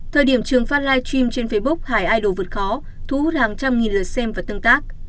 thời điểm trường fan live stream trên facebook hải idol vượt khó thu hút hàng trăm nghìn lượt xem và tương tác